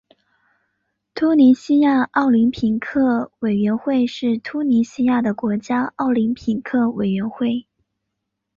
突尼西亚奥林匹克委员会是突尼西亚的国家奥林匹克委员会。